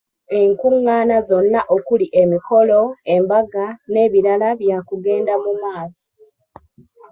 Enkungaana zonna okuli emikolo, embaga n’ebirala byakugenda mu maaso.